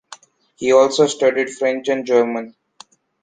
He also studied French and German.